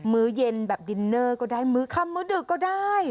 ื้อเย็นแบบดินเนอร์ก็ได้มื้อค่ำมื้อดึกก็ได้